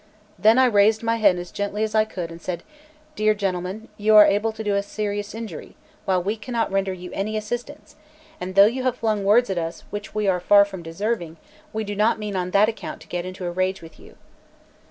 Then I raised my head as gently as I could, and said: "Dear gentlemen, you are able to do us serious injury, while we cannot render you any assistance; and though you have flung words at us which we are far from deserving, we do not mean on that account to get into a rage with you."